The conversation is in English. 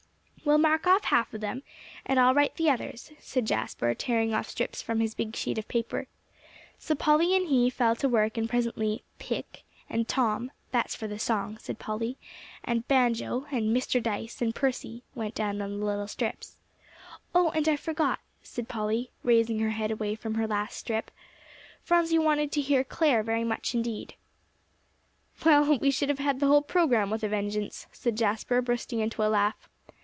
"Well, mark off half of 'em, and I'll write the others," said Jasper, tearing off strips from his big sheet of paper. So Polly and he fell to work; and presently "Pick," and "Tom" ("that's for the song," said Polly), and "Banjo," and "Mr. Dyce," and "Percy," went down on the little strips. "Oh, and I forgot," said Polly, raising her head from her last strip, "Phronsie wanted to hear Clare very much indeed." [Illustration: "OH, I DO HOPE I SHALL DRAW THE RIGHT ONE, JASPER."] "Well, we should have had the whole program with a vengeance," said Jasper, bursting into a laugh.